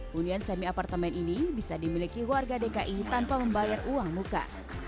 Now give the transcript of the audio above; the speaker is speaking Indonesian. hunian semi apartemen ini bisa dimiliki warga dki tanpa membayar uang muka